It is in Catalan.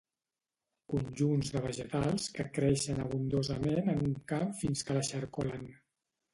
Conjunts de vegetals que creixen abundosament en un camp fins que l'eixarcolen.